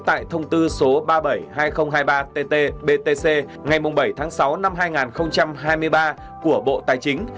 tại thông tư số ba mươi bảy hai nghìn hai mươi ba tt btc ngày bảy sáu hai nghìn hai mươi ba của bộ tài chính